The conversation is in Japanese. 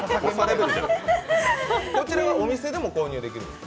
こちらはお店でも購入できるんですか？